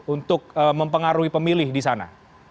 untuk mempengaruhi pemilih di sana